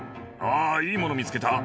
「あいいもの見つけた」